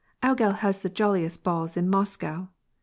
loGEL has the joUiest balls in Moscow."